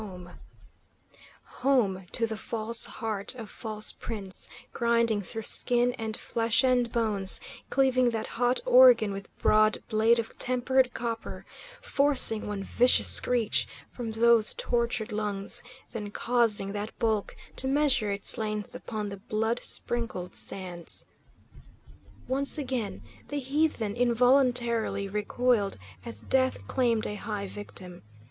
Home to the false heart of false prince; grinding through skin and flesh and bones, cleaving that hot organ with broad blade of tempered copper, forcing one vicious screech from those tortured lungs, then causing that bulk to measure its length upon the blood sprinkled sands. Once again the heathen involuntarily recoiled, as death claimed a high victim.